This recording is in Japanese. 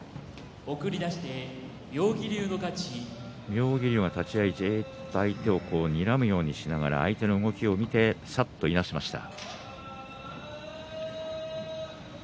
妙義龍が立ち合い、じっと相手をにらむようにしながら相手の動きを見てさっといなしました。